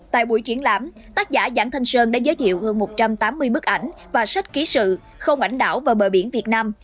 tại buổi triển lãm tác giả giản thanh sơn đã giới thiệu hơn một trăm tám mươi bức ảnh và sách ký sự không ảnh đảo và bờ biển việt nam